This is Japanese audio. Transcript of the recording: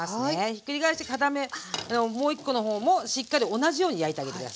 ひっくり返して片面もう一個の方もしっかり同じように焼いてあげて下さい。